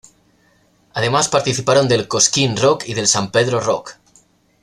Además, participaron del Cosquín Rock y del San Pedro Rock.